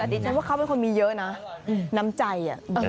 แต่ดิฉันว่าเขาเป็นคนมีเยอะนะน้ำใจ